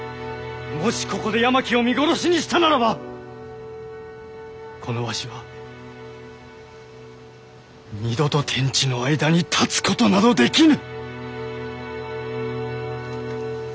もしここで八巻を見殺しにしたならばこのわしは二度と天地の間に立つことなどできぬ！